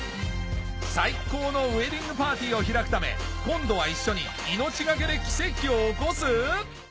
最高のウエディングパーティーを開くため今度は一緒に命懸けで奇跡を起こす？